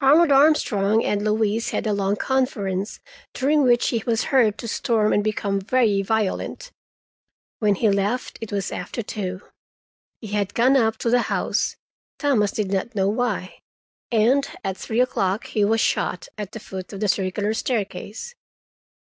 Arnold Armstrong and Louise had a long conference, during which he was heard to storm and become very violent. When he left it was after two. He had gone up to the house—Thomas did not know why—and at three o'clock he was shot at the foot of the circular staircase.